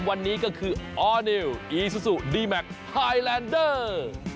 วันนี้ก็คือออร์นิวอีซูซูดีแมคไฮแลนเดอร์